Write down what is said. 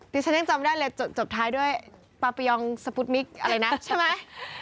ฉันยังจำได้เลยจบท้ายด้วยปาปิยองสปุ๊ดมิกอะไรนะใช่ไหม